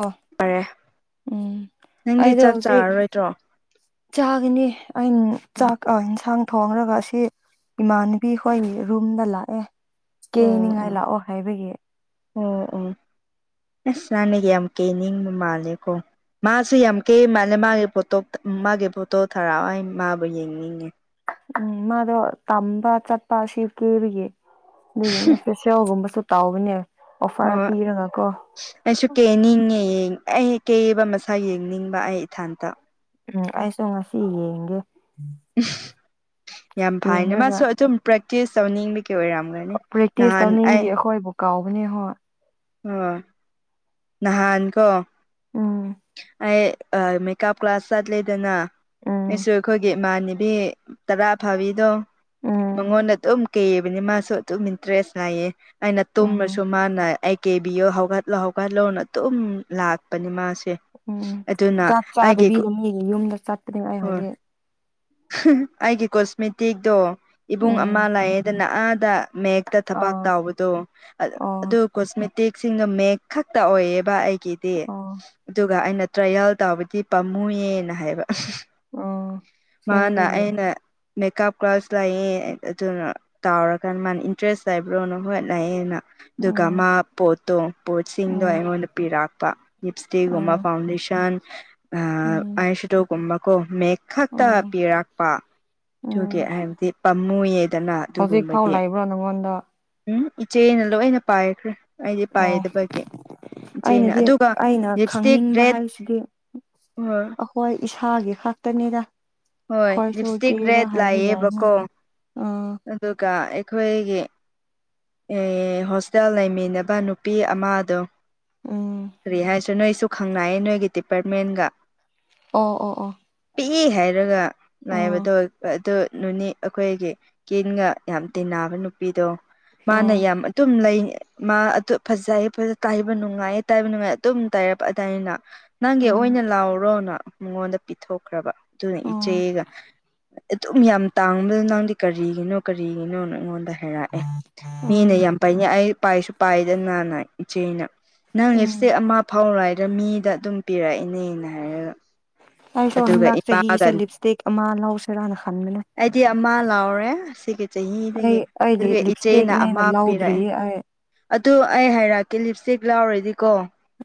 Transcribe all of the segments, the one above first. ꯑꯣ ꯐꯔꯦ ꯎꯝ ꯅꯪꯗꯤ ꯑꯩꯗ‌ꫭ ꯆꯥꯛ ꯍꯧꯖꯤꯛ ꯆꯥꯔꯔꯣꯏꯗ꯭ꯔꯣ ꯆꯥꯒꯅꯤ ꯑꯩ ꯆꯥꯛꯀ ꯏꯟꯁꯥꯡꯒ ꯊꯣꯡꯉꯒ ꯑꯁꯤ ꯏꯃꯥꯟꯅꯕꯤ ꯍꫭꯏꯒꯤ ꯔꯨꯝꯗ ꯂꯥꯛꯑꯦ ꯑꯣ ꯀꯦꯅꯤꯡꯉꯥꯏ ꯑꯣ ꯂꯥꯛꯑꯣ ꯍꯥꯏꯕꯒꯤ ꯑꯣ ꯑꯣ ꯑꯁ ꯅꯥꯟꯅꯒꯤ ꯌꯥꯝ ꯀꯦꯅꯤꯡꯕ ꯃꯥꯜꯂꯦꯀꯣ ꯃꯥꯁꯦ ꯌꯥꯝ ꯀꯦ ꯃꯥꯜꯂꯦ ꯃꯥꯒꯤ ꯐꯣꯇꯣ ꯃꯥꯒꯤ ꯐꯣꯇꯣ ꯊꯥꯔꯛꯑꯣ ꯍꯥꯏ ꯃꯥꯕꯨ ꯌꯦꯡꯅꯤꯡꯉꯦ ꯎꯝ ꯃꯥꯗꯣ ꯇꯝꯕ ꯆꯠꯄ ꯁꯤ ꯀꯦꯕꯒꯤ ꯑꯗꯨꯒꯤꯅꯦ ꯐꯦꯁꯦꯜꯒꯨꯝꯕꯁꯨ ꯇꯥꯎꯕꯅꯦ ꯑꯣꯐꯔ ꯍꯣꯏ ꯄꯤꯔꯒꯀꯣ ꯑꯩꯁꯨ ꯀꯦꯅꯤꯡꯉꯦ ꯑꯩ ꯀꯦꯕ ꯃꯁꯥ ꯌꯦꯡꯅꯤꯡꯕ ꯑꯩ ꯏꯊꯟꯇ ꯎꯝ ꯑꯩꯁꯨ ꯉꯁꯤ ꯌꯦꯡꯒꯦ ꯌꯥꯝ ꯐꯥꯏꯅꯦ ꯌꯦꯡꯔꯒ ꯃꯥꯁꯨ ꯑꯗꯨꯝ ꯄ꯭ꯔꯦꯛꯇꯤꯁ ꯇꯧꯅꯤꯡꯕ ꯀꯤ ꯑꯣꯏꯔꯝꯒꯅꯤ ꯄ꯭ꯔꯦꯛꯇꯤꯁ ꯅꯍꯥꯟ ꯇꯧꯅꯤꯡꯗꯤ ꯑꯩꯈꯣꯏꯕꯨ ꯀꯥꯎꯕꯅꯦ ꯍꯣꯏ ꯍꯣꯏ ꯅꯍꯥꯟꯀꯣ ꯎꯝ ꯑꯩ ꯃꯦꯀꯑꯞ ꯀ꯭ꯂꯥꯁ ꯆꯠ ꯂ‌ꯦꯗꯅꯥ ꯎꯝ ꯑꯩꯁꯨ ꯑꯩꯈꯣꯏꯒꯤ ꯏꯃꯥꯟꯅꯕꯤ ꯇꯔꯥ ꯐꯥꯕꯤꯗꯣ ꯎꯝ ꯃꯉꯣꯟꯗ ꯑꯗꯨꯝ ꯀꯩꯕꯅꯤ ꯃꯥꯁꯨ ꯑꯗꯨꯝ ꯏꯟꯇꯔꯦꯁ ꯂꯩꯌꯦ ꯑꯩꯅ ꯇꯨꯝꯃꯁꯨ ꯎꯝ ꯃꯥꯅ ꯑꯩ ꯀꯦꯕꯤꯌꯣ ꯍꯧꯒꯠꯂꯣ ꯍꯧꯒꯠꯂꯣꯅ ꯑꯗꯨꯝ ꯂꯥꯛꯄꯅꯦ ꯃꯥꯁꯦ ꯎꯝ ꯑꯗꯨꯅ ꯆꯥꯛ ꯑꯩꯒꯤ ꯆꯥꯗꯕꯤꯗ ꯃꯤꯒꯤ ꯌꯨꯝꯗ ꯆꯠꯄꯅꯦꯕ ꯑꯩ ꯍꯣꯏ ꯍꯧꯖꯤꯛ ꯑꯩꯒꯤ ꯀꯣꯁꯃꯦꯇꯤꯛꯇꯣ ꯏꯕꯨꯡ ꯎꯝ ꯑꯃ ꯂꯥꯛꯑꯦꯗꯅ ꯑꯥꯗ ꯃꯦꯛ ꯊꯕꯛ ꯑꯥ ꯇꯥꯎꯕꯗꯣ ꯑꯣ ꯑꯗꯨ ꯀꯣꯁꯃꯦꯇꯤꯛꯁꯤꯡꯒ ꯃꯦꯛ ꯈꯛꯇ ꯑꯣꯏꯌꯦꯕ ꯑꯩꯒꯤ ꯑꯣ ꯑꯗꯨꯒ ꯑꯩꯅ ꯇ꯭ꯔꯥꯌꯦꯜ ꯇꯧꯕꯗꯤ ꯄꯥꯝꯃꯨꯌꯦꯅ ꯍꯥꯏꯕ ꯑꯣ ꯃꯥꯅ ꯁꯦꯡꯕꯒꯤ ꯑꯩꯅ ꯃꯦꯀꯞ ꯀ꯭ꯂꯥꯁ ꯂꯥꯛꯑꯦ ꯑꯗꯨꯅ ꯇꯥꯎꯔꯀꯥꯟꯗ ꯃꯥꯅ ꯏꯟꯇꯔꯦꯁ ꯂꯩꯕ꯭ꯔꯣꯅ ꯍꯣꯏꯠ ꯂꯩꯑꯦꯅ ꯑꯗꯨꯒ ꯎꯝ ꯃꯥ ꯄꯣꯠꯇꯣ ꯄꯣꯠꯁꯤꯡꯗꯣ ꯎꯝ ꯑꯩꯉꯣꯟꯗ ꯄꯤꯔꯛꯄ ꯂꯤꯞꯁꯇꯤꯛꯒꯨꯝꯕ ꯎꯝ ꯐꯥꯎꯟꯗꯦꯁꯟ ꯎꯝ ꯑꯥꯏꯁꯇꯣꯒꯨꯝꯕ ꯀꯣ ꯃꯦꯛꯁ ꯈꯛꯇ ꯎꯝ ꯄꯤꯔꯛꯄ ꯑꯗꯨꯒꯤ ꯎꯝ ꯍꯥꯏꯕꯗꯤ ꯄꯥꯝꯃꯨꯌꯦꯗꯅ ꯍꯧꯖꯤꯛ ꯐꯥꯎ ꯑꯗꯨꯒꯨꯝꯕꯗꯤ ꯂꯥꯛꯏꯕ꯭ꯔꯣ ꯅꯪꯉꯣꯟꯗ ꯎꯝ ꯏꯆꯦꯅ ꯂꯣꯏꯅ ꯄꯥꯏꯈ꯭ꯔꯦ ꯑꯩꯗꯤ ꯑꯣ ꯄꯥꯏꯗꯕꯒꯤ ꯏꯆꯦꯅ ꯑꯩꯅꯗꯤ ꯑꯗꯨꯒ ꯑꯩꯅ ꯂꯤꯞꯁꯇꯤꯛ ꯈꯪꯅꯤꯡꯕ ꯔꯦꯠ ꯍꯥꯏꯁꯤꯗꯤ ꯑꯩꯈꯣꯏ ꯏꯁꯥꯒꯤ ꯈꯛꯇꯅꯤꯗ ꯍꯣꯏ ꯑꯩꯈꯣꯏꯁꯨ ꯂꯤꯞꯁꯇꯤꯛ ꯀꯦꯕ ꯔꯦꯠ ꯍꯩꯕ ꯌꯥꯏꯅ ꯂꯥꯛꯑꯦꯕꯀꯣ ꯑꯝ ꯑꯗꯨꯒ ꯑꯩꯈꯣꯏꯒꯤ ꯏ ꯍꯣꯁꯇꯦꯜ ꯂꯩꯃꯤꯟꯅꯕ ꯅꯨꯄꯥ ꯅꯨꯄꯤ ꯑꯃꯗꯣ ꯎꯝ ꯀꯔꯤ ꯍꯥꯏꯁꯤꯔ ꯅꯣꯏꯁꯨ ꯈꯪꯅꯌꯦ ꯅꯣꯏꯒꯤ ꯗꯤꯄꯥꯔꯠꯃꯦꯟꯒ ꯑꯣ ꯑꯣ ꯑꯣ ꯄꯤꯏꯦ ꯍꯥꯏꯔꯒ ꯑꯥ ꯂꯥꯏꯕꯗꯣ ꯑꯗꯨ ꯅꯨꯅꯤ ꯑꯩꯈꯣꯏꯒꯤ ꯀꯤꯟꯒ ꯌꯥꯝ ꯇꯤꯟꯅꯕ ꯅꯨꯄꯤꯗꯣ ꯃꯥꯅ ꯑꯥ ꯌꯥꯝ ꯑꯗꯨꯨꯝ ꯂꯩ ꯃꯥ ꯑꯗꯨ ꯐꯖꯩ ꯇꯥꯏꯕ ꯅꯨꯡꯉꯥꯏꯌꯦ ꯇꯥꯏꯕ ꯅꯨꯡꯉꯥꯏ ꯑꯗꯨꯝ ꯇꯥꯏꯔꯛꯄ ꯑꯗꯨꯥꯏꯅ ꯅꯪꯒꯤ ꯎꯝ ꯑꯣꯏꯅ ꯂꯥꯎꯔꯣꯅ ꯃꯉꯣꯟꯗ ꯄꯤꯊꯣꯛꯈ꯭ꯔꯕ ꯑꯗꯨꯅ ꯑꯣ ꯏꯆꯦꯒ ꯑꯗꯨꯝ ꯌꯥꯝ ꯇꯥꯡꯕꯗ ꯅꯪꯗꯤ ꯀꯔꯤꯒꯤꯅꯣ ꯀꯔꯤꯒꯤꯅꯣ ꯑꯩꯉꯣꯟꯗ ꯍꯥꯏꯔꯛꯑꯦ ꯃꯤꯅ ꯎꯝ ꯌꯥꯝ ꯄꯥꯏꯅꯤ ꯑꯩ ꯄꯥꯏꯁꯨ ꯄꯥꯏꯗꯅꯅꯥ ꯏꯆꯦꯅ ꯅꯪ ꯎꯝ ꯂꯤꯞꯁꯇꯦꯛ ꯑꯃ ꯐꯥꯎꯔ ꯍꯥꯏꯗ ꯃꯤꯗ ꯑꯗꯨꯝ ꯄꯤꯔꯛꯏꯅꯦꯅ ꯍꯥꯏꯔꯒ ꯑꯩꯁꯨ ꯑꯗꯨꯒ ꯍꯟꯗꯛ ꯏꯄꯥꯒ ꯆꯍꯤꯁꯦ ꯂꯤꯞ ꯏꯁꯇꯤꯛ ꯑꯃ ꯂꯧꯁꯤꯔꯥꯅ ꯈꯟꯕꯅꯦ ꯑꯩꯗꯤ ꯑꯃ ꯂꯥꯎꯔꯦ ꯑꯁꯤꯒꯤ ꯑꯩ ꯆꯍꯤꯗꯒꯤ ꯑꯩꯗꯤ ꯑꯗꯨꯒ ꯏꯆꯦꯅ ꯂꯤꯞꯁꯇꯤꯛꯅꯦꯅ ꯑꯃ ꯄꯤꯔꯛꯑꯦ ꯂꯧꯗ꯭ꯔꯤꯌꯦ ꯑꯩ ꯑꯗꯨ ꯑꯩ ꯍꯥꯏꯔꯛꯀꯦ ꯂꯤꯞ ꯏꯁꯇꯤꯛ ꯂꯥꯎꯔꯗꯤꯀꯣ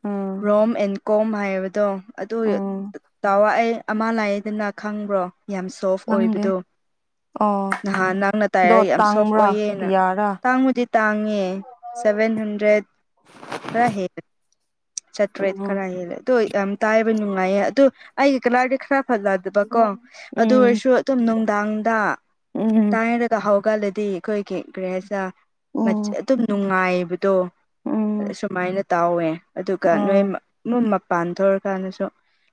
ꯑꯥ ꯍꯣꯝ ꯑꯦꯟ ꯀꯣꯝ ꯍꯥꯏꯕꯗꯣ ꯑꯗꯨ ꯎꯝ ꯆꯥꯎꯔꯑꯦ ꯑꯃ ꯂꯥꯛꯑꯦꯗꯅ ꯈꯪꯕ꯭ꯔꯣ ꯌꯥꯝ ꯁꯣꯐ ꯈꯪꯗꯦ ꯑꯣꯏꯕꯗꯣ ꯑꯣ ꯅꯍꯥꯟ ꯅꯪꯅ ꯗꯣ ꯇꯥꯏꯔꯒ ꯌꯥꯝ ꯁꯣꯐ ꯇꯥꯡꯕ꯭ꯔꯥ ꯑꯣꯏꯌꯦꯅ ꯀꯌꯥꯔꯥ ꯇꯥꯡꯕꯨꯗꯤ ꯇꯥꯡꯉꯦ ꯁꯚꯦꯟ ꯍꯟꯗ꯭ꯔꯦꯠ ꯈꯔ ꯍꯦꯜꯂꯦ ꯆꯥꯇ꯭ꯔꯦꯠ ꯎꯝ ꯈꯔ ꯍꯦꯜꯂꯦ ꯇꯣ ꯌꯥꯝ ꯇꯥꯏꯕ ꯅꯨꯡꯉꯥꯏꯌꯦ ꯑꯇꫭ ꯑꯩꯒꯤ ꯀꯂꯔꯗꯤ ꯈꯔ ꯐꯖ ꯗꯕꯀ‌ꯣ ꯑꯗꯨ ꯎꯝ ꯑꯣꯏꯔ ꯑꯗꯨ ꯅꯨꯡꯗꯥꯡ ꯎꯝ [unintelligible] ꯍꯧꯒꯠꯂꯗꯤ ꯑꯩꯈꯣꯏꯒꯤ ꯀꯔꯤ ꯍꯥꯏꯁꯤꯔ ꯎꯝ ꯑꯗꯨꯝ ꯅꯨꯡꯉꯥꯏꯕꯗꯣ ꯎꯝ ꯁꯨꯃꯥꯏꯅ ꯇꯥꯎꯋꯦ ꯑꯗꯨꯒ ꯅꯣꯏ ꯑꯣ ꯎꯝ ꯃꯄꯥꯟ ꯊꯣꯛꯔꯀꯥꯟꯗꯁꯨ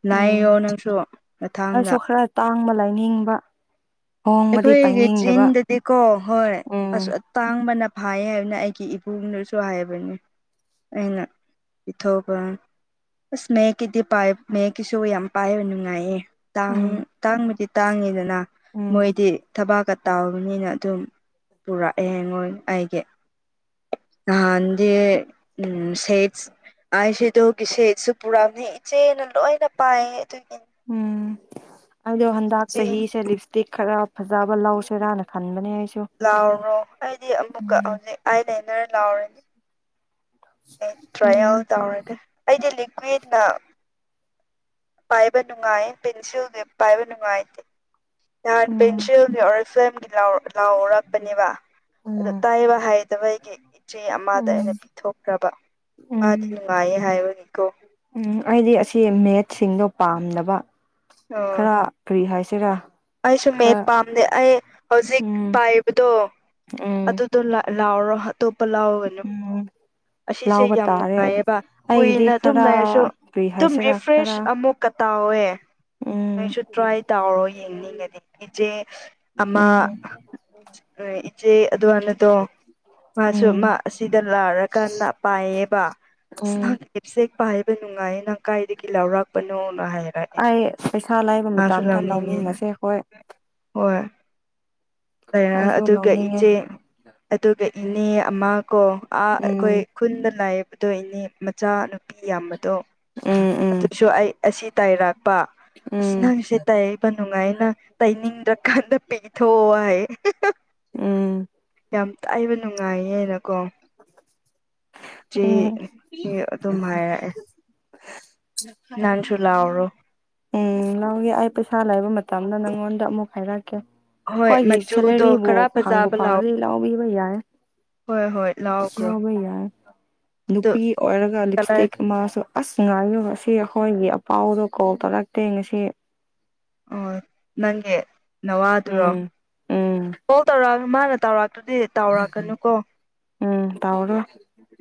ꯅꯥꯏꯌꯣ ꯎꯝ ꯅꯪꯁꯨ ꯃꯊꯥꯡꯗ ꯑꯩꯁꯨ ꯈꯔ ꯇꯥꯡꯕ ꯂꯥꯏꯅꯤꯡꯕ ꯑꯩꯈꯣꯏꯒꯤ ꯆꯤꯡꯗꯗꯤꯀꯣ ꯍꯣꯏ ꯎꯝ ꯑꯁ ꯇꯥꯡꯕꯅ ꯐꯥꯏ ꯍꯥꯏꯅ ꯑꯩꯒꯤ ꯏꯕꯨꯡꯗꯨꯁꯨ ꯍꯥꯏꯕꯅꯤ ꯑꯩꯅ ꯄꯤꯊꯣꯄ ꯑ ꯃꯦꯀꯤꯗꯤ ꯄꯥꯏ ꯃꯦꯛ ꯀꯤꯁꯨ ꯌꯥꯝ ꯄꯥꯏꯕ ꯅꯨꯡꯉꯥꯏꯌꯦ ꯇꯥꯡ ꯎꯝ ꯇꯥꯡꯕꯗꯤ ꯇꯥꯡꯉꯤꯗꯅ ꯎꯝ ꯃꯣꯏꯗꯤ ꯊꯕꯥꯛꯀ ꯇꯕꯅꯤꯅ ꯑꯗꯨꯝ ꯄꯨꯨꯔꯛꯑꯦꯉꯣꯏ ꯑꯩꯒꯤ ꯅꯍꯥꯟꯗꯤ ꯎꯝ ꯁꯦ ꯑꯩ ꯁꯤꯗꯣꯒꯤꯁꯦꯁꯨ ꯄꯨꯔꯥꯝꯅꯦ ꯏꯆꯦꯅ ꯂꯣꯏꯅ ꯄꯥꯏꯌꯦ ꯑꯗꯨꯒꯤ ꯎꯝ ꯑꯗꯣ ꯍꯟꯗꯛ ꯏꯆꯦ ꯆꯍꯤꯁꯦ ꯂꯤ ꯇꯤꯛ ꯈꯔ ꯐꯖꯕ ꯂꯧꯁꯦꯔꯅ ꯈꯟꯕꯅꯦ ꯑꯩꯁꯦ ꯂꯥꯎꯔꯣ ꯑꯩꯗꯤ ꯑꯃꯨꯛꯀ ꯑꯣꯅꯤꯛ ꯑꯥꯏ ꯂꯥꯢꯅꯔ ꯂꯥꯎꯔꯥꯅꯤ ꯎꯝ ꯑꯇ꯭ꯔꯥꯏꯑꯦꯜ ꯇꯧꯔꯒꯦ ꯑꯩꯗꯤ ꯂꯤꯀ꯭ꯋꯤꯗꯅ ꯄꯥꯏꯕ ꯅꯨꯡꯉꯥꯏ ꯄꯦꯟꯁꯤꯜꯖꯦ ꯄꯥꯏꯕ ꯅꯨꯡꯉꯥꯏꯇꯦ ꯌꯥꯟ ꯎꯝ ꯄꯦꯟꯁꯤꯜꯖꯦ ꯑꯣꯔꯤ ꯐꯂꯦꯝꯒꯤ ꯂꯥꯎ-ꯂꯥꯎꯔꯛꯄꯅꯦꯕ ꯑꯗꯨ ꯎꯝ ꯇꯥꯏꯕ ꯍꯥꯏꯗꯕꯒꯤ ꯆꯦ ꯑꯃꯗ ꯑꯩꯅ ꯄꯤꯊꯣꯛꯈ꯭ꯔꯥꯕ ꯃꯥꯗꯤ ꯎꯝ ꯅꯨꯡꯉꯥꯏꯌꯦ ꯍꯥꯏꯕꯅꯤꯀꯣ ꯎꯝ ꯑꯩꯗꯤ ꯑꯁꯤ ꯃꯦꯠꯁꯤꯡꯗꯣ ꯄꯥꯝꯗꯕ ꯎꯝ ꯈꯔ ꯀ꯭ꯔꯤ ꯍꯥꯏꯁꯦꯔꯥ ꯑꯩꯁꯨ ꯃꯦꯠ ꯄꯥꯝꯗꯦ ꯑꯩ ꯍꯧꯖꯤꯛ ꯎꯝ ꯄꯥꯏꯕꯗꯣ ꯎꯝ ꯑꯗꯨ ꯑꯗꯨ ꯂꯥꯎꯑꯣꯔꯣ ꯑꯇꯣꯞꯄ ꯂꯧꯅꯨ ꯎꯝ ꯑꯁꯤꯁꯦ ꯂꯥꯎꯕ ꯌꯥꯝ ꯇꯥꯔꯦ ꯅꯨꯡꯉꯥꯏꯌꯦꯕ ꯑꯩꯒꯤꯗꯤ ꯀꯨꯏꯅ ꯑꯗꯨꯝ ꯈꯔ ꯂꯩꯔꯁꯨ ꯀꯔꯤ ꯑꯗꯨꯝ ꯍꯥꯏꯁꯤꯔꯥ ꯔꯤꯐ꯭ꯔꯦꯁ ꯈꯔ ꯑꯃꯨꯛ ꯀꯥ ꯇꯧꯏ ꯎꯝ ꯅꯣꯏꯁꯨ ꯇ꯭ꯔꯥꯏ ꯇꯧꯔꯣ ꯌꯦꯡꯅꯤꯡꯉꯗꯤ ꯏꯆꯦ ꯑꯃ ꯎꯝ ꯎ ꯏꯆꯦ ꯑꯗꯨ ꯋꯥꯅꯗꯣ ꯃꯥꯁꯨ ꯎꯝ ꯃꯥ ꯑꯁꯤꯗ ꯂꯥꯔꯥꯀꯥꯟꯗ ꯄꯥꯏꯌꯦꯕ ꯎꯝ ꯏꯅꯥꯁ ꯂꯤꯞꯁꯤꯠ ꯄꯥꯏꯕ ꯅꯨꯡꯉꯥꯏꯌꯦ ꯅ ꯪꯀꯥꯏꯗꯒꯤ ꯂꯥꯎꯔꯛꯄꯅꯣꯅ ꯍꯥꯏꯔꯛꯑꯦ ꯑꯩ ꯄꯩꯁꯥ ꯂꯥꯏꯕ ꯃꯥꯁꯨ ꯃꯇꯝꯗ ꯂꯧꯅꯤꯡꯉꯦꯅ ꯂꯧꯃꯤꯟꯅꯁꯦ ꯍꯣꯏ ꯍꯣꯏ ꯂꯩꯔ ꯑꯩꯁꯨ ꯑꯗꯨꯒ ꯂꯧꯅꯤꯡꯉꯦ ꯏꯆꯦ ꯑꯗꯨꯒ ꯏꯅꯦ ꯑꯃꯥ ꯀꯣ ꯑꯥ ꯎꯝ ꯑꯩꯈꯣꯏ ꯈꯨꯟꯗ ꯂꯥꯏꯕꯗꯣ ꯏꯅꯦ ꯃꯆꯥ ꯅꯨꯨꯄꯤ ꯌꯥꯝꯕꯗꯣ ꯎꯝ ꯎꯝ ꯑꯗꯨꯁꯨ ꯑꯩ ꯑꯁꯤ ꯇꯥꯏꯔꯛꯄ ꯑꯁ ꯎꯝ ꯅꯪꯁꯦ ꯇꯩꯏꯌꯦꯕ ꯅꯨꯡꯉꯥꯏꯌꯦꯅ ꯇꯩꯅꯤꯡꯗꯔꯀꯥꯟꯗ ꯄꯤꯊꯛꯑꫭ ꯍꯥꯏꯌꯦ ꯎꯝ ꯌꯥꯝ ꯇꯥꯏꯌꯦꯕ ꯅꯨꯡꯉꯥꯏꯌꯦꯅꯀꯣ ꯆꯤ ꯎꯝ ꯑꯗꯨꯝ ꯍꯥꯏꯔꯛꯑꯦ ꯅꯪꯁꯨ ꯂꯥꯎꯔꯣ [unintelligible] ꯎꯝ ꯂꯧꯒꯦ ꯑꯩ ꯄꯩꯁꯥ ꯂꯩꯕ ꯃꯇꯝꯗ ꯅꯪꯉꯣꯟꯗ ꯑꯃꯨꯛ ꯍꯥꯏꯔꯛꯀꯦ ꯍꯣꯏ ꯑꯩꯈꯣꯏꯒꯤ ꯃꯆꯨꯗꯣ ꯁꯦꯂꯔꯤꯕꯨ ꯈꯔ ꯐꯪꯕꯨ ꯐꯖꯕ ꯂꯥꯎ ꯐꯪꯗꯤ ꯂꯧꯕꯤꯕ ꯌꯥꯏ ꯍꯣꯏ ꯍꯣꯏ ꯂꯥꯛꯑꯣꯈ꯭ꯔꯣ ꯂꯧꯕ ꯌꯥꯏ ꯅꯨꯄꯤ ꯑꯣꯏꯔꯒ ꯀꯂꯔ ꯂꯤꯞꯁꯇꯤꯛ ꯃꯥꯁꯨ ꯑꯁ ꯉꯥꯏꯌꯨ ꯉꯁꯤ ꯑꯩꯈꯣꯏꯒꯤ ꯑꯄꯥꯎꯗꯣ ꯀꯣꯜ ꯇꯧꯔꯛꯇꯦ ꯉꯁꯤ ꯑꯣ ꯅꯪꯒꯤ ꯅꯋꯥꯗꯨꯔꯣ ꯎꯝ ꯎꯝ ꯀꯣꯜ ꯇꯧꯔꯛꯑꯒ ꯃꯥꯅ ꯇꯧꯔꯛꯇ꯭ꯔꯥꯗꯤ ꯎꯝ ꯇꯧꯔꫭ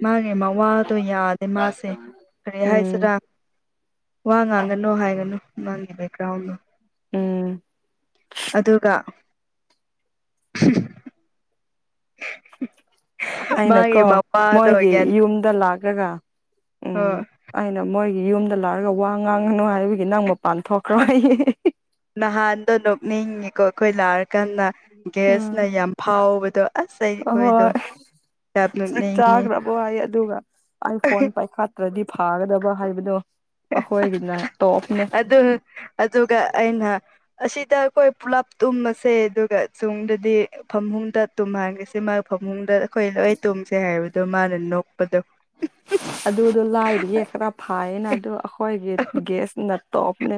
ꯃꯥꯒꯤ ꯃꯋꯥꯗꯣ ꯌꯥꯗꯦ ꯃꯥꯁꯦ ꯀꯔꯤ ꯎꯝ ꯍꯥꯏꯁꯤꯔꯥ ꯋꯥ ꯉꯥꯡꯒꯅꯨ ꯍꯥꯏꯒꯅꯨ ꯅꯪꯒꯤ ꯕꯦꯛꯒ꯭ꯔꯥꯎꯟꯗꯣ ꯎꯝ ꯑꯗꯨꯒ [inaudible] ꯃꯥꯒꯤ ꯑꯩꯅꯀꯣ ꯃꯄꯥꯗꯣ ꯃꯣꯏꯒꯤ ꯌꯨꯝꯗ ꯂꯥꯛꯑꯒ ꯑ ꯑꯩꯅ ꯃꯣꯏꯒꯤ ꯌꯨꯝꯗ ꯂꯥꯔꯥꯒ ꯋꯥ ꯉꯥꯡꯉꯅꯨ ꯍꯥꯏꯕꯒꯤ ꯅꯪ ꯃꯄꯥꯟ ꯊꯣꯛꯈ꯭ꯔꯣ ꯑꯁ ꯍꯥꯏꯌꯦ ꯅꯍꯥꯟꯗꯣ ꯅꯣꯛꯅꯤꯡꯉꯤꯀꯣ ꯑꯩꯈꯣꯏ ꯂꯥꯛꯔꯀꯥꯟꯗ ꯒꯦꯁꯅ ꯌꯥꯝ ꯐꯥꯎꯕꯗꯣ ꯑꯁ ꯑꯩ ꯑꯩꯈꯣꯏꯗꯣ ꯑꯍꯣꯏ ꯌꯥꯝ ꯆꯥꯛ ꯅꯣꯛꯅꯤꯡꯉꯤ ꯆꯥꯈ꯭ꯔꯥꯕꯣ ꯍꯥꯏꯌꯦ ꯑꯗꯨꯒ ꯑꯩ ꯐꯣꯟ ꯄꯥꯏꯈꯠ ꯒꯗꯤ ꯐꯥꯒꯗꯕ ꯍꯥꯏꯕꯗꯣ ꯑꯈꯣꯏꯒꯤꯅ ꯇꯣꯞꯅꯦ ꯑꯗꯨ ꯑꯗꯨꯒ ꯑꯩꯅ ꯑꯁꯤꯗ ꯑꯈꯣꯏ ꯄꯨꯂꯞ ꯇꯨꯝꯃꯁꯦ ꯑꯗꯨꯒ ꯆꯨꯡꯗꯗꯤ ꯐꯃꯨꯡꯗ ꯇꯨꯝꯍꯟꯒꯦꯁꯦ ꯃꯥꯏ ꯐꯍꯨꯡꯗ ꯑꯩꯈꯣꯏ ꯂꯣꯏ ꯇꯨꯝꯁꯦ ꯍꯥꯏꯕꯗꯣ ꯃꯥꯅ ꯅꯣꯛꯄꯗꯣ ꯎꯝ ꯍꯝ ꯑꯗꯨꯗꯣ ꯂꯥꯏꯔꯤꯌꯦ ꯈꯔ ꯐꯥꯏꯌꯦꯅ ꯑꯗꯨ ꯑꯈꯣꯏꯒꯤ ꯒꯦꯁ ꯅ ꯇꯣꯞꯅꯦ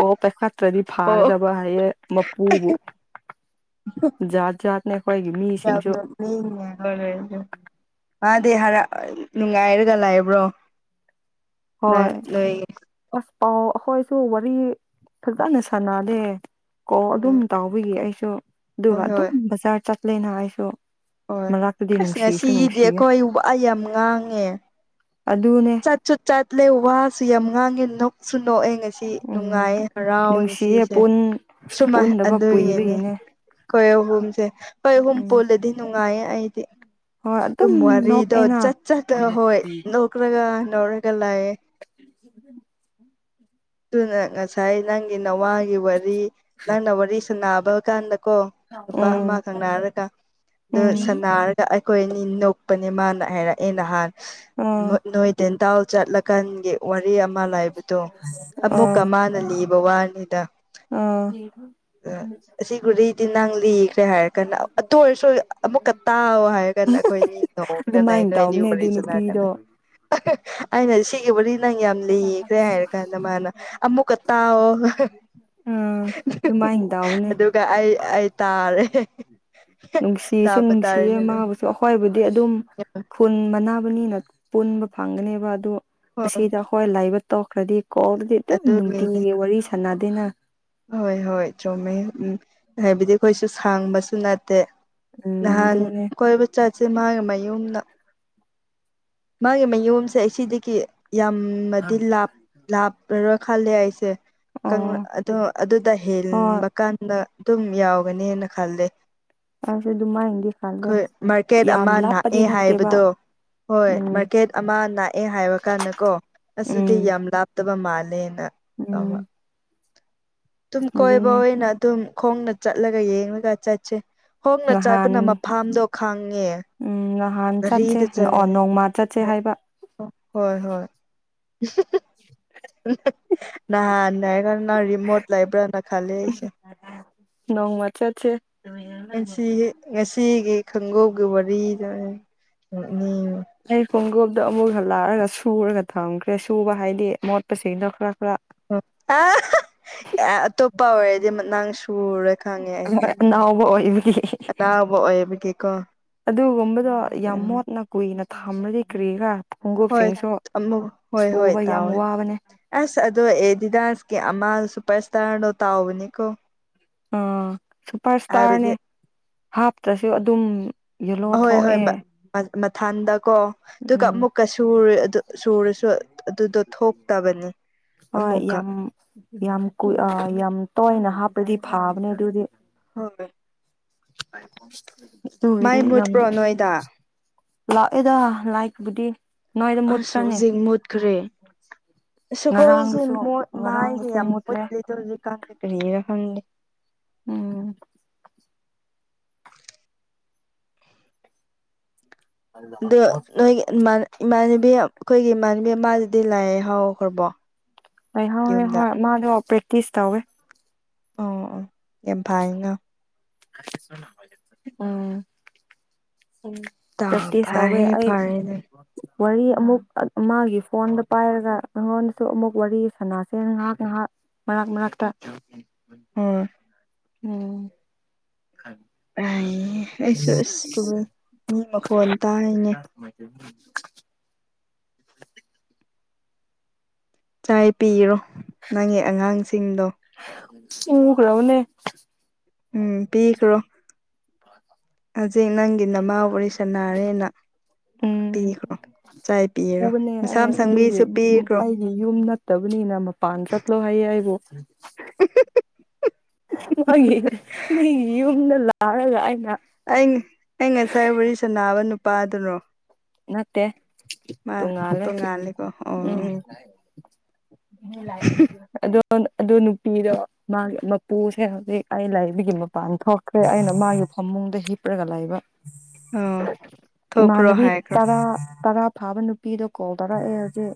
ꯑꯣ ꯄꯩ ꯈꯇ꯭ꯔꯗꯤ ꯑꯣ ꯐꯥꯒꯗꯕ ꯍꯥꯏꯌꯦ ꯄꯨꯕꯨ ꯖꯥꯠ ꯖꯥꯠꯅꯦ ꯑꯩꯈꯣꯏꯒꯤ ꯃꯤꯁꯤꯡꯁꯨ ꯎꯝ ꯍꯔ [unintelligible] ꯃꯥꯗꯤ ꯍꯥꯏꯔ ꯅꯨꯡꯉꯥꯏꯔꯒ ꯂꯩꯕ꯭ꯔꯣ ꯍꯣꯏ ꯅꯪ ꯅꯣꯏ ꯑꯁ ꯄꯥꯎ ꯑꯩꯈꯣꯏꯁꯨ ꯋꯥꯔꯤ ꯐꯖꯅ ꯁꯥꯟꯅꯗꯦ ꯀꯣꯜ ꯑꯗꯨꯝ ꯎꯝ ꯇꯥꯎꯕꯤꯌꯦ ꯑꯩꯁꯨ ꯑꯗꯨꯒ ꯍꯣꯏ ꯑꯗꯨꯝ ꯍꯣꯏ ꯕꯖꯥꯔ ꯆꯠꯂꯦꯅ ꯑꯩꯁꯨ ꯍꯣꯏ ꯃꯔꯛꯇꯗꯤ ꯑꯁ ꯅꯨꯡꯁꯤꯁꯨ ꯉꯁꯤꯗꯤ ꯅꯨꯡꯁꯤꯌꯦ ꯑꯩꯈꯣꯏ ꯋꯥ ꯌꯥꯝ ꯉꯥꯡꯉꯦ ꯑꯗꯨꯅꯦ ꯆꯠꯁꯨ ꯆꯠ ꯎꯠꯂꯦ ꯋꯥꯁꯨ ꯌꯥꯝ ꯉꯥꯡꯉꯦ ꯅꯣꯛꯁꯨ-ꯅꯣꯛꯑꯦ ꯉꯁꯤ ꯎꯝ ꯅꯨꯡꯉꯥꯏꯌꯦ ꯍꯔꯥꯎꯦ ꯅꯨꯡꯁꯤꯌꯦ ꯉꯁꯤꯁꯦ ꯄꯨꯟ ꯁꯨꯃꯥꯏ ꯄꯨꯟꯗꯕ ꯑꯗꯨꯏꯅꯤꯅꯦ ꯀꯨꯏꯕꯒꯤꯅꯦ ꯑꯈꯣꯏ ꯑꯍꯨꯝꯖꯦ ꯑꯍꯣꯏ ꯑꯍꯨꯝ ꯎꯝ ꯄꯨꯜꯂꯗꯤ ꯅꯨꯡꯉꯥꯏꯌꯦ ꯑꯩꯗꯤ ꯍꯣꯏ ꯑꯗꯨꯝ ꯋꯥꯔꯤꯗꯣ ꯅꯣꯛꯑꯦꯅ ꯆꯠ ꯆꯠꯇ ꯍꯣꯏ ꯅꫭ ꯈ꯭ꯔꯒ ꯅꯣꯔꯒ ꯂꯩꯑꯦ ꯑꯗꯨꯅ ꯉꯁꯤ ꯉꯁꯥꯏ ꯅꯪꯒꯤ ꯅꯋꯥꯒꯤ ꯋꯥꯔꯤ ꯅꯪꯅ ꯋꯥꯔꯤ ꯁꯥꯟꯅꯕ ꯀꯥꯟꯗ ꯀꯣ ꯅꯨꯄꯥ ꯎꯝ ꯑꯃ ꯀꯪꯅꯔꯒ ꯑꯗꯨ ꯎꯝ ꯁꯟꯅꯥꯔ ꯗ ꯑꯩꯈꯣꯏ ꯑꯅꯤ ꯅꯣꯛꯄꯅꯦ ꯃꯥꯅ ꯍꯥꯏꯔꯛꯑꯦ ꯅꯍꯥꯟ ꯑꯥ ꯅꯣꯏ-ꯅꯣꯏ ꯗꯦꯟꯇꯥꯜ ꯆꯠꯂꯀꯥꯟꯒꯤ ꯋꯥꯔꯤ ꯑꯃ ꯂꯥꯏꯕꯗꯣ ꯑꯃꯨꯛꯀꯥ ꯃꯥꯅ ꯂꯤꯕ ꯋꯥꯅꯤꯗ ꯎꯝ ꯑꯁꯤꯕꯨꯗꯤ ꯇꯤꯟꯗꯥꯡ ꯂꯤꯈ꯭ꯔꯦ ꯍꯥꯏꯔꯒꯅ ꯑꯗꯨ ꯑꯣꯏꯔꯁꯨ ꯑꯃꯨꯛꯀ ꯇꯥꯑꯣ ꯍꯥꯏꯔꯒ ꯑꯩꯈꯣꯏ ꯑꯅꯤ ꯇꯧꯔ ꯑꯗꯨꯃꯥꯏꯅ ꯂꯩꯔꯦ ꯇꯧꯕꯅꯦ ꯋꯥꯔꯤ ꯑꯗꯨ ꯅꯨꯄꯤꯗꯣ ꯁꯥꯟꯅꯗꯅ ꯑꯩꯅ ꯁꯤꯒꯤ ꯋꯥꯔꯤ ꯅꯪ ꯌꯥꯝ ꯂꯤꯌꯦꯈ꯭ꯔꯦ ꯍꯥꯏꯔ ꯀꯥꯟꯗ ꯃꯥꯅ ꯑꯃꯨꯛꯀ ꯇꯥꯎꯑꯣ ꯎꯝ ꯑꯗꯨꯃꯥꯏꯅ ꯇꯧꯕꯅꯦ ꯑꯗꯨꯒ ꯑꯩ-ꯑꯩ ꯇꯥꯔꯦ ꯇꯥꯄ ꯇꯥꯔꯅ ꯑꯗꯨ ꯍꫭꯏ ꯑꯈꯣꯏꯕꯨꯗꯤ ꯑꯗꯨꯝ ꯌꯦꯄꯥ ꯐꯨꯟ ꯃꯥꯟꯅꯕꯅꯤꯅ ꯄꯨꯟꯕ ꯐꯪꯉꯥꯅꯦꯕ ꯑꯗꯣ ꯑꯁꯤꯗꯣ ꯍꯣꯏ ꯂꯥꯏꯕꯛ ꯇꯣꯛꯈ꯭ꯔꯥꯗꯤ ꯀꯣꯜꯗꯥꯗꯤ ꯑꯗꯨꯝ ꯑꯗꯨꯒꯤꯅꯦ ꯅꯨꯡꯇꯤꯒꯤ ꯋꯥꯔꯤ ꯁꯥꯟꯅꯗꯦꯅ ꯍꯣꯏ ꯍꯣꯏ ꯆꯨꯝꯃꯦ ꯎꯝ ꯍꯥꯏꯕꯗꯤ ꯑꯩꯈꯣꯏꯁꯨ ꯁꯥꯡꯕꯁꯨ ꯅꯠꯇꯦ ꯎꯝ ꯅꯍꯥꯟ ꯑꯗꯨꯅꯦ ꯀꯣꯏꯕ ꯆꯠꯁꯤ ꯃꯥꯒꯤ ꯃꯌꯨꯝꯗ ꯃꯥꯒꯤ ꯃꯌꯨꯝꯁꯦ ꯑꯁꯤꯗꯒꯤ ꯌꯥꯝꯅꯗꯤ ꯂꯥꯞ ꯂꯥꯞ ꯑꯗꯨꯗ ꯈꯜꯀꯪꯅꯂꯦ ꯑꯩꯁꯦ ꯑꯣ ꯑꯗꯣ ꯑꯗꯨꯗꯩ ꯍꯣꯏ ꯍꯦꯟꯕ ꯀꯥꯟ ꯗ ꯑꯗꯨꯝ ꯌꯥꯎꯒꯅꯦꯅ ꯈꯜꯂꯦ ꯑꯩꯁꯨ ꯑꯗꯨꯃꯥꯏꯅꯗꯤ ꯈꯜꯂꯦ ꯈꯣꯏ ꯃꯥꯔꯀꯦꯠ ꯌꯥꯝ ꯑꯃ ꯂꯥꯞꯄꯗꯤ ꯅꯥꯛꯑꯦ ꯅꯠꯇꯦꯕ ꯍꯥꯏꯕꯗꯣ ꯍꯣꯏ ꯎꯝ ꯃꯥꯔꯀꯦꯠ ꯑꯃ ꯅꯥꯛꯑꯦ ꯍꯥꯏꯕ ꯀꯥꯟꯗ ꯀꯣ ꯑꯁꯨꯗꯤ ꯎꯝ ꯌꯥꯝ ꯂꯥꯞꯇꯕ ꯃꯥꯜꯂꯦ ꯑ ꯎꯝ ꯑ ꯑꯗꯨꯝ ꯀꯣꯏꯕ ꯑꯗꯨꯅꯦ ꯑꯣꯏꯅ ꯑꯗꯨꯝ ꯈꯣꯡꯅ ꯆꯠꯂꯒ ꯌꯦꯡꯂꯒ ꯆꯠꯁꯦ ꯈꫭꯡꯅ ꯅꯍꯥꯟ ꯆꯠꯄꯅ ꯃꯐꯝꯗꯣ ꯈꯪꯉꯦ ꯎꯝ ꯅꯍꯥꯟ ꯆꯠꯁꯦ ꯒꯥꯔꯤꯗ ꯆꯪ ꯑꯣ ꯅꯣꯡꯃ ꯆꯠꯁꯦ ꯍꯥꯏꯕ ꯍꯣꯏ-ꯍꯣꯏ [inaudible] ꯅꯍꯥꯟ ꯅꯥꯔꯒ ꯉꯥ ꯌꯤꯃꯨꯠ ꯂꯩꯕ꯭ꯔꯥ ꯅꯠ ꯈꯜꯂꯦ ꯑꯩꯁꯦ ꯅꯣꯡꯃ ꯆꯠꯁꯦ ꯑꯁꯤꯒꯤ ꯉꯁꯤꯒꯤ ꯈꯣꯡꯒꯧꯒꯤ ꯋꯥꯔꯤꯗꯅꯅꯤ ꯑꯩ ꯈꯣꯡꯒ꯭ꯔꯨꯞꯇꫭ ꯑꯃꯨꯛ ꯍꯜꯂꯛꯑꯒ ꯁꯨꯔꯒ ꯊꯝꯈ꯭ꯔꯦ ꯁꯨꯕ ꯍꯥꯏꯗꯤ ꯃꯣꯠꯄꯁꯤꯡꯗꫭ ꯈꯔ ꯈꯔ [unintelligible] ꯑꯥ ꯑꯇꯣꯞꯄ ꯑꯣꯏꯔꯗꯤ ꯅꯪ ꯁꯨꯔꯨꯔꯦ ꯈꯪꯉꯦ ꯑꯩꯗꯤ ꯍ ꯏꯕꯨꯗꯤ ꯂꯕꯑꯣꯃꯤ ꯀꯦꯀꯣ ꯑꯗꯨꯒꯨꯝꯕꯗꯣ ꯌꯥꯝ ꯃꯣꯠꯅ ꯀꯨꯏꯅ ꯊꯝꯂꯗꯤ ꯀꯔꯤꯔ ꯍꯣꯏ ꯑꯃ ꯍꯣꯏ ꯍꯣꯏ ꯌꯥꯝ ꯇꯧꯋꯤ ꯋꯥꯕꯅꯦ ꯑꯁ ꯑꯗꯣ ꯑꯦ ꯗꯤꯗꯥꯁꯀꯤ ꯑꯃ ꯁꯨꯄꯔ ꯁ꯭ꯇꯥꯔꯗꯣ ꯇꯥꯎꯕꯅꯤꯀꯣ ꯑꯥ ꯁꯨꯄꯔ ꯏꯁꯇꯥꯔꯅꯦ ꯍꯥꯏꯕꯗꯤ ꯍꯥꯞꯇ꯭ꯔꯁꯨ ꯑꯗꯨꯝ ꯌꯦꯂꯣ ꯊꯣꯛꯑꯦ ꯃꯊꯟꯗ ꯀꯣ ꯑꯗꯨꯒ ꯎꯝ ꯑꯃꯨꯛꯀꯨꯔ ꯁꯨꯔꯁꯨ ꯑꯗꯨꯗꯣ ꯊꯣꯛꯇꯕꯅꯤ ꯍꯣꯏ ꯑꯃꯨꯛꯀ ꯌꯥꯝ ꯌꯥꯝ ꯀꯨ ꯌꯥꯝ ꯇꯣꯏꯅ ꯍꯥꯞꯄꯗꯤ ꯐꯥꯕꯅꯦ ꯑꯗꯨꯗꯤ ꯍ [unintelligible] ꯑꯗꯨꯒꯤꯗꯤ ꯃꯥꯏ ꯌꯥꯝ ꯃꯨꯠꯄ꯭ꯔꯣ ꯅꯣꯏꯗ ꯂꯥꯛꯑꯦꯗ ꯂꯥꯏꯛꯕꯨꯗꯤ ꯑꯁ ꯍꯧꯖꯤꯛ ꯃꯨꯠꯈ꯭ꯔꯦ ꯑꯁ ꯑꯈꯣꯏꯖꯦ ꯉꯔꯥꯡꯗꯨꯁꯨ ꯃꯣꯠ ꯃꯥꯏꯖꯦ ꯉꯔꯥꯡꯗꯨꯁꯨ ꯌꯥꯝ ꯃꯨꯠꯂꯦ ꯃꯣꯠꯂꯤꯗ ꯍꯧꯖꯤꯛꯀꯥꯟꯖꯦ ꯀꯔꯤꯒꯤꯔ ꯈꯪꯗꯦ꯫ ꯎꯝ ꯑꯗꯣ ꯅꯣꯏꯒꯤ ꯏꯃꯥꯟꯅꯕꯤ ꯑꯩꯈꯣꯏꯒꯤ ꯏꯃꯥꯟꯅꯕꯤ ꯑꯃꯗꯨꯗꯤ ꯂꯥꯏ ꯍꯥꯎꯈ꯭ꯔꯕꯣ ꯍ ꯍꯣꯏꯣꯏ ꯍꯣꯏ ꯃꯥꯗꯣ ꯄ꯭ꯔꯦꯛꯇꯤꯁ ꯇꯧꯋꯦ ꯑ ꯑ ꯌꯥꯝ ꯐꯥꯏ ꯉꯥ ꯎꯝ ꯎꯝ ꯐꯔꯦ ꯐꯔꯦ ꯑꯗꯨꯗꯤ꯫ ꯋꯥꯔꯤ ꯑꯃꯨꯛ ꯑꯃꯒꯤ ꯐꯣꯟꯗ ꯄꯥꯏꯔꯒ ꯅꯉꯣꯟꯗꯁꯨ ꯑꯃꯨꯛ ꯋꯥꯔꯤ ꯁꯅꯥꯁꯦ ꯉꯥꯏꯍꯥꯛ ꯉꯥꯏꯍꯥꯛ꯫ ꯃꯔꯛ ꯃꯔꯛꯇ꯫ ꯑꯣꯢ꯫ ꯎꯝ꯫ ꯑꯩꯥꯏ ꯑꯩꯁꯨ ꯑꯁꯀꯨ ꯃꯤ ꯃꯈꯣꯟ ꯇꯥꯏꯅꯦ꯫ ' [inaudible] ꯆꯥꯏ ꯄꯤꯔꯣ ꯅꯪꯒꯤ ꯑꯉꯥꯡꯁꯤꯡꯗꯣ꯫ ꯄꯨꯈꯔꯕꯅꯦ꯫ ꯎꯝ ꯄꯤꯈ꯭ꯔꯣ [unintelligible] ꯍꯧꯖꯤꯛ ꯅꯪꯒꯤ ꯅꯃꯥ ꯋꯔꯤ ꯁꯅꯔꯦꯅ ꯄꯤꯈ꯭ꯔꯣ ꯆꯥꯏ ꯄꯤꯔꯣ ꯎꯕꯅꯦ ꯃꯁꯥ ꯑꯩ ꯃ ꯑꯗꯨꯒꯤ ꯁꯪꯕꯤꯁꯨ ꯄꯤꯈ꯭ꯔꯣ ꯑꯩꯒꯤ ꯌꯨꯝ ꯅꯠꯇꯕꯅꯤꯅ ꯃꯄꯥꯟ ꯆꯠꯂꯣ ꯍꯥꯢꯌꯦ ꯑꯩꯕꯨ [unintelligible] ꯃꯥꯒꯤ ꯃꯤꯒꯤ ꯌꯨꯝꯗ ꯂꯥꯛꯑꯒ ꯑꯩꯅ ꯑꯩꯅꯤ ꯑꯩ ꯉꯁꯥꯢ ꯋꯥꯔꯤ ꯁꯅꯥꯕ ꯅꯨꯄꯥꯗꯨꯔꯣ ꯅꯠꯇꯦ ꯃꯥ ꯇꯣꯡꯉꯥꯜꯂꯦ ꯇꯣꯡꯉꯥꯜꯂꯦꯀꯣ ꯑꯣ ꯎꯝ ꯑꯗꯣ꯫ ꯑꯗꯨ ꯅꯨꯄꯤꯗꯣ ꯃꯥꯒꯤ ꯃꯄꯨ ꯑꯁꯦꯡꯕꯗꯤ ꯑꯩ ꯂꯥꯛꯕꯤꯒꯤ ꯃꯄꯥꯟ ꯊꯣꯛ꯫ ꯈ꯭ꯔꯤ ꯑꯩꯅ ꯃꯥꯒꯤ ꯐꯃꯨꯡꯗ ꯍꯤꯞꯄꯒ ꯂꯩꯕ꯫ ꯑ ꯊꯣꯛꯀ꯭ꯔꯣ ꯍꯥꯢꯀ꯭ꯔꯣ ꯌꯥ ꯇꯔꯥ ꯐꯥꯕ ꯅꯨꯄꯤꯗꯣ ꯀꯧꯗꯔꯛꯑꯣ ꯑꯩ ꯍꯧꯖꯤꯛ꯫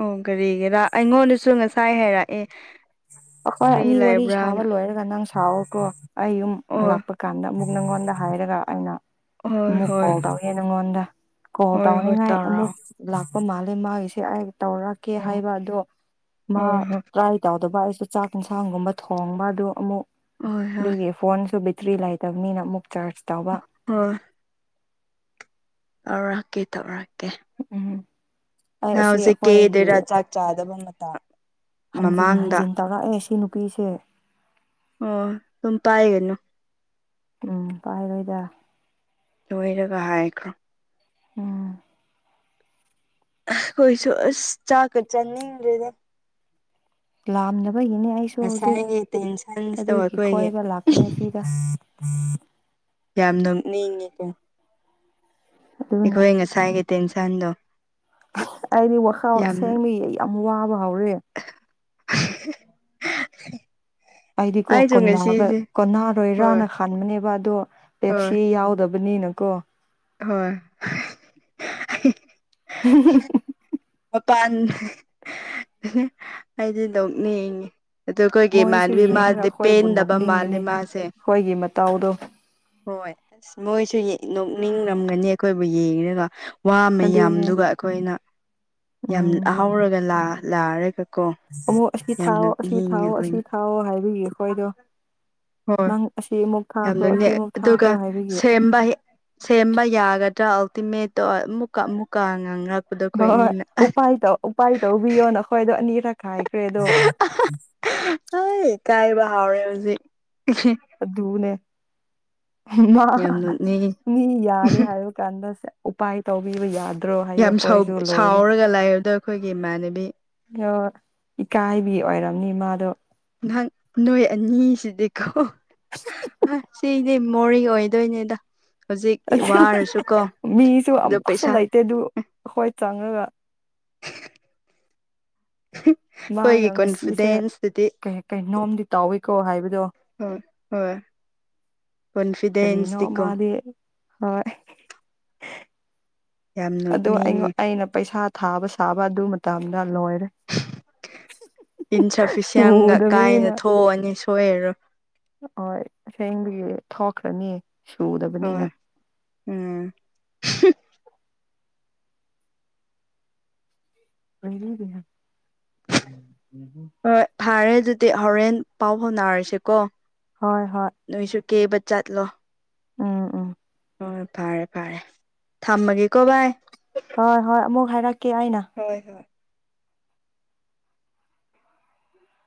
ꯑꯣ ꯀꯔꯤꯒꯤꯔꯥ ꯑꯩꯉꯣꯟꯗꯁꯨ ꯉꯁꯥꯢ ꯍꯥꯢꯔꯑꯦ ꯑꯩꯈꯣꯏ ꯑꯅꯤ ꯋꯥꯔꯤ ꯁꯥꯕ ꯂꯣꯏꯔꯒ ꯅꯪ ꯁꯥꯎꯀꯣ ꯑꯩ ꯌꯨꯝ ꯑꯣ ꯍꯜꯂꯛꯄ꯫ ꯀꯥꯟꯗ ꯑꯃꯨꯛ ꯅꯪꯉꯣꯟꯗ ꯍꯥꯏꯔꯒ ꯑꯩꯅ ꯍꯣꯏ ꯑꯃꯨꯛ ꯍꯣꯏ ꯀꯣꯜ ꯇꯧꯋꯦ ꯅꯪꯉꯣꯟꯗ꯫ ꯀꯣꯜ ꯍꯣꯏ ꯍꯣꯏ ꯇꯧꯅꯤꯉꯥꯏ ꯇꯧꯔꯛꯑꯣ ꯑꯃꯨꯛ꯫ ꯂꯥꯛꯄ ꯃꯥꯜꯂꯦ ꯃꯥꯒꯤꯁꯦ ꯑꯩ ꯇꯧꯔꯛꯀꯦ ꯑꯣ ꯍꯥꯏꯕ ꯑꯗꯣ ꯃꯥ ꯍꯣꯏ ꯍꯣꯏ ꯇꯔꯥꯏ꯫ ꯇꯧꯗꯕ ꯑꯩꯁꯨ ꯆꯥꯛ ꯏꯟꯁꯥꯡꯒꯨꯝꯕ ꯊꯣꯡꯕ ꯑꯗꯨ ꯑꯃꯨꯛ ꯍꯣꯏ ꯍꯣꯏ ꯑꯗꯨꯒꯤ꯫ ꯐꯣꯟꯁꯨ ꯕꯦꯇ꯭ꯔꯤ ꯂꯩꯇꯕꯅꯤꯅ ꯑꯃꯨꯛ ꯆꯥꯔꯖ ꯇꯧꯕ ꯍꯣꯏ꯫ ꯇꯧꯔꯛꯀꯦ ꯇꯧꯔꯛꯀꯦ꯫ ꯎꯝ꯫ ꯑꯩ ꯅꯪ ꯑꯁꯤ ꯍꯧꯖꯤꯛꯇꯤ [unintelligible] ꯑꯩꯈꯣꯏꯒꯤ ꯗꯔꯥ ꯆꯥꯛ ꯆꯥꯗꯕ ꯃꯇꯝ꯫ ꯍꯟꯖꯤꯟ ꯍꯟꯖꯤꯟ ꯇꯧꯔꯛꯑꯦ ꯁꯤ ꯅꯨꯄꯤꯁꯦ ꯑꯣ ꯑꯗꯨꯝ ꯄꯥꯏꯒꯅꯨ꯫ ꯎꯝ ꯄꯥꯏꯔꯣꯏꯗ꯫ ꯂꯣꯏꯔꯒ ꯍꯥꯏꯈ꯭ꯔꯣ꯫ ꯎꯝ꯫ ꯑꯩꯈꯣꯏꯁꯨ ꯑꯁ ꯆꯥꯛꯀ ꯆꯥꯅꯤꯡꯗꯦꯗ꯫ ꯂꯥꯝꯗꯕꯒꯤꯅꯦ ꯑꯩꯁꯨ ꯍꯧꯖꯤꯛ ꯉꯁꯥꯏꯒꯤ ꯇꯦꯟꯁꯟꯁꯤꯗ ꯑꯗꯨꯒꯤ ꯑꯩꯈꯣꯏꯒꯤ ꯀꯣꯢꯕ ꯂꯥꯛ ꯎꯅꯁꯤꯗ꯫ ꯌꯥꯝ ꯅꯣꯛꯅꯤꯡꯉꯤꯀꯣ꯫ ꯑꯗꯨꯅꯦ ꯑꯩꯈꯣꯏ ꯉꯁꯥꯏꯒꯤ ꯇꯦꯟꯁꯟꯗꯣ꯫ ꯑꯩꯗꯤ ꯋꯥꯈꯜ ꯌꯥꯝꯅ ꯁꯦꯡꯕꯒꯤ ꯌꯥꯝ ꯋꯥꯕ ꯍꯧꯔꯦ꯫ [unintelligible] ꯑꯩꯗꯤꯀꯣ ꯑꯩꯁꯨ ꯀꯣꯟꯒ ꯉꯁꯤꯁꯦ ꯍꯣꯏ ꯀꯣꯟꯅꯥꯔꯣꯏꯔꯥꯅ ꯈꯟꯕꯅꯦꯕ ꯑꯗꯣ꯫ ꯍꯣꯏ ꯄꯦꯞꯁꯤ ꯌꯥꯎꯗꯕꯅꯤꯅꯀꯣ꯫ ꯍꯣꯏ꯫ ꯍꯨꯝ ꯍꯨꯝ ꯃꯄꯥꯟ ꯑꯩꯗꯤ ꯅꯣꯛꯅꯤꯡꯉꯤ꯫ ꯑꯗꯨ ꯑꯩꯈꯣꯏꯒꯤ ꯃꯣꯏꯁꯨ ꯏꯃꯥꯟꯅꯕꯤ ꯌꯦꯡꯉꯒ ꯃꯥꯗꯤ ꯑꯩꯈꯣꯏꯕꯨ ꯄꯦꯟꯗꯕ ꯃꯥꯜꯂꯦ ꯅꯣꯛꯅꯤꯡꯒꯅꯤ ꯃꯥꯁꯦ ꯑꯩꯈꯣꯏꯒꯤ ꯃꯇꯧꯗꯣ ꯍꯣꯏ ꯑꯁ ꯃꯣꯏꯁꯨ ꯌꯦ ꯅꯣꯛꯅꯤꯡꯔꯝꯒꯅꯤ ꯑꯩꯈꯣꯏꯕꯨ ꯌꯦꯡꯔꯒ ꯋꯥ ꯑꯗꯨꯅꯦ ꯃꯌꯥꯝꯗꯨꯒ ꯑꯩꯈꯣꯏꯅ ꯌꯥꯝ ꯎꯝ ꯑꯍꯥꯎꯔꯒ ꯂꯥ ꯂꯥꯛꯔꯒ ꯀꯣ ꯑꯃꯨꯛ ꯑꯁꯤ ꯌꯥꯝ ꯊꯥꯎꯑꯣ ꯑꯁꯤ ꯅꯣꯛꯅꯤꯡꯉꯦ ꯊꯥꯎꯑꯣ ꯑꯩꯈꯣꯏꯅ ꯑꯁꯤ ꯊꯥꯎꯑꯣ ꯍꯥꯏꯕꯒꯤ ꯑꯩꯈꯣꯏꯗꯣ ꯍꯣꯏ ꯅꯪ ꯑꯁꯤ ꯑꯃꯨꯛ ꯊꯥꯈ꯭ꯔꯣ ꯌꯥꯝꯅ ꯑꯁꯤ ꯑꯃꯨꯛ ꯑꯗꯨꯒ ꯊꯥꯈ꯭ꯔꯣ ꯍꯥꯏꯕꯒꯤ ꯁꯦꯝꯕ ꯁꯦꯝꯕ ꯌꯥꯒꯗ꯭ꯔꯥ ꯑꯜꯇꯤꯃꯦꯠꯇꯣ ꯑꯃꯨꯛꯀ ꯑꯃꯨꯛꯀ ꯉꯥꯡꯔꯒ ꯍꯣꯏ ꯎꯄꯥꯏ ꯎꯄꯥꯏ ꯇꯧꯕꯤꯌꯣꯅ ꯈꯣꯏꯗ ꯑꯅꯤꯔꯛ ꯈꯥꯏꯈ꯭ꯔꯦ ꯑꯗꯣ ꯍꯣꯏ ꯀꯥꯏꯕ ꯍꯥꯎꯔꯦ ꯍꯧꯖꯤꯛ꯫ ꯑꯗꯨꯅꯦ ꯃꯥ ꯌꯥꯝ ꯅꯣꯛꯅꯤꯡꯉꯤ ꯃꯤ ꯌꯥꯗ ꯍꯥꯏ꯫ [unintelligible] ꯎꯄꯥꯏ ꯇꯧꯕꯤꯕ ꯌꯥꯗꯦ꯫ ꯌꯥꯝ ꯁꯥꯎꯔꯒ ꯂꯥꯛꯕꯗꯣ ꯑꯩꯈꯣꯏꯒꯤ ꯏꯃꯥꯟꯅꯕꯤ꯫ ꯑꯣ ꯏꯀꯥꯏꯕꯤ ꯑꯣꯏꯔꯝꯅꯤ ꯃꯥꯗꯣ꯫ ꯅꯍꯪ ꯅꯣꯏ ꯑꯅꯤꯁꯤꯗꯤꯀꯣ ꯑ ꯁꯤ꯫ ꯃꯤꯃꯣꯔꯤ ꯑꯣꯢꯗꯣꯢꯅꯦꯗ ꯃꯤꯁꯨ ꯑꯗꯣ ꯑꯃꯨꯛꯀꯁꯨ ꯄꯩꯁꯥ ꯂꯩꯇꯦ ꯑꯗꯨ ꯑꯩꯈꯣꯏ ꯆꯪꯉꯒ꯫ [unintelligible] ꯃꯥꯅ ꯉꯁꯤꯁꯦ ꯀꯣꯟꯐꯤꯗꯦꯟꯁꯇꯨꯗꯤ ꯀꯩ ꯀꯩꯅꯣꯝꯗꯤ ꯇꯥꯎꯋꯤꯀꯣ ꯍꯥꯏꯕꯗꯣ ꯍꯣꯏ ꯍꯣꯏ ꯀꯔꯤꯅꯣ ꯀꯣꯟꯐꯤꯗꯦꯟꯁꯇꯤꯀꯣ ꯃꯥꯗꯤ ꯍꯣꯏ ꯌꯥꯝ ꯑꯗꯣ ꯅꯣꯛꯅꯤꯡꯉꯤ ꯑꯩꯅ ꯄꯩꯁꯥ ꯊꯥꯕ ꯁꯥꯕ ꯑꯗꯨ ꯃꯇꯝꯗ ꯂꯣꯏꯔꯦ ꯏꯟꯁꯐꯤꯁꯌꯥꯟꯒ ꯀꯥꯏꯅ ꯁꯨꯗꯕꯅꯤꯅ ꯊꯣꯛꯑꯅꯤ ꯁꯣꯏꯔꯔꯣꯏ ꯍꯣꯏ ꯑꯁꯦꯡꯕꯒꯤ ꯊꯣꯛꯈ꯭ꯔꯅꯤ ꯍꯣꯏ ꯁꯨꯗꯕꯅꯤꯅ ꯎꯝ ꯄꯂꯤꯗꯤ [unintelligible] ꯍꯣꯏ ꯐꯥꯔꯦ ꯗꯨꯗꯤ ꯍꯣꯔꯦꯟ ꯄꯥꯎ ꯐꯥꯎꯅꯔꯁꯤꯀꯣ ꯍꯣꯏ ꯍꯣꯏ ꯅꯣꯏꯁꯨ ꯀꯦꯕ ꯆꯠꯂꯣ ꯎꯝ ꯎꯝ ꯍꯣꯏ ꯐꯔꯦ ꯐꯔꯦ ꯊꯝꯃꯒꯦꯀꯣ ꯚꯥꯏ ꯍꯣꯏ ꯍꯣꯏ ꯑꯃꯨꯛ ꯍꯥꯏꯔꯛꯀꯦ ꯑꯩꯅ ꯍꯣꯏ ꯍꯣꯏ